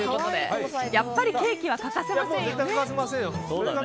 やっぱりケーキは欠かせませんよね。